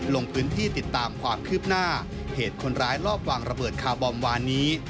ลงพื้นที่ติดตามความคืบหน้าเหตุคนร้ายลอบวางระเบิดคาร์บอมวานนี้